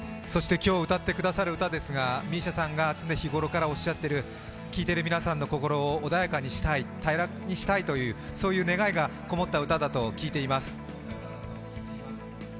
今日、歌ってくださる歌ですが、ＭＩＳＩＡさんが常日頃おっしゃっている、聴いている皆さんの心を穏やかにしたい、平らにしたい、そういう願いがこもった歌だと聞いております。